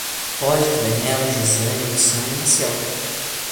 Róger, Daniela, Josiane, Luciane e Maciel